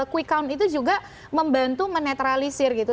quick count itu juga membantu menetralisir gitu